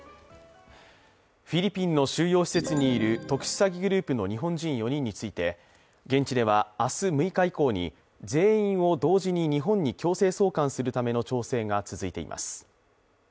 フィリピンの収容施設にいる特殊詐欺グループの日本人４人について現地では明日６日以降に全員を同時に日本に強制送還するための調整が続いています。